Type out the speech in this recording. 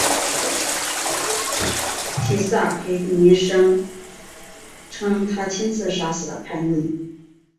提萨斐尼声称他亲自杀死了叛逆。